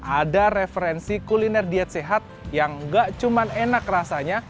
ada referensi kuliner diet sehat yang gak cuma enak rasanya